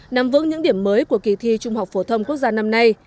nắm vững những điểm mới của kỳ thi trung học phổ thông quốc gia năm nay